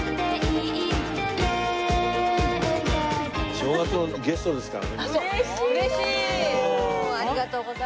正月のゲストですからね皆さん。